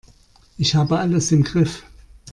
Ich habe alles im Griff.